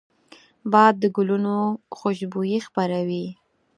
باد د ګلونو خوشبويي خپروي